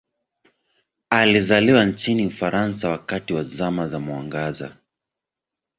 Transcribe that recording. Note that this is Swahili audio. Alizaliwa nchini Ufaransa wakati wa Zama za Mwangaza.